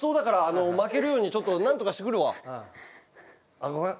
あっごめん。